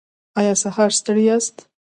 ایا سهار ستړي یاست؟